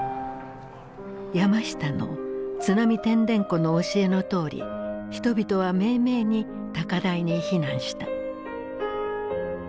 山下の「津波てんでんこ」の教えのとおり人々はめいめいに高台に避難した。